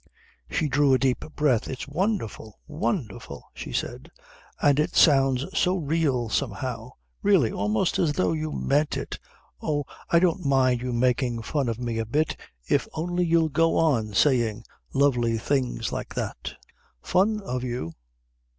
She drew a deep breath. "It's wonderful, wonderful," she said. "And it sounds so real somehow really almost as though you meant it. Oh, I don't mind you making fun of me a bit if only you'll go on saying lovely things like that." "Fun of you?